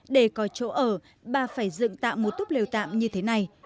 để có chỗ ở bà phải dựng tạm một túc lều tạm như thế này